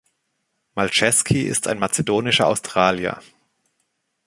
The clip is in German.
Malceski ist ein mazedonischer Australier.